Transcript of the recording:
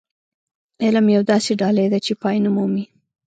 علم يوه داسې ډالۍ ده چې پای نه مومي.